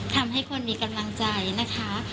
ทำให้คนมีกำลังใจนะคะ